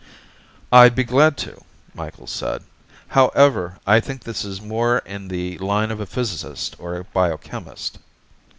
"I'd be glad to," Micheals said. "However, I think this is more in the line of a physicist or a biochemist."